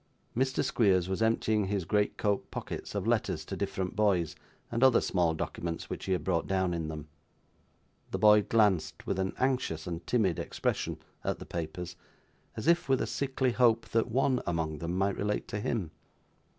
Mr. Squeers was emptying his great coat pockets of letters to different boys, and other small documents, which he had brought down in them. The boy glanced, with an anxious and timid expression, at the papers, as if with a sickly hope that one among them might relate to him.